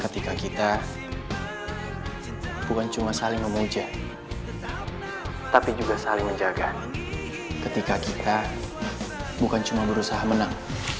ketika kita bukan cuma saling membenci tapi juga saling menjaga ketika kita bukan cuma berusaha menang